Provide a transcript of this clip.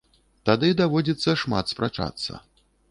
Тады даводзіцца шмат спрачацца.